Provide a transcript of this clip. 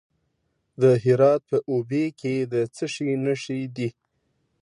د هرات په اوبې کې د څه شي نښې دي؟